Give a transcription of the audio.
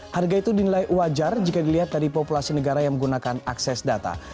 harga itu dinilai wajar jika dilihat dari populasi negara yang menggunakan akses data